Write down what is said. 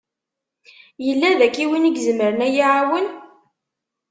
Yella daki win i izemren ad yi-iɛawen?